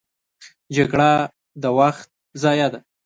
جګړه د وخت ضیاع ده